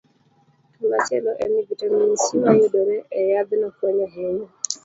To machielo en ni, vitamin C ma yudore e yadhno konyo ahinya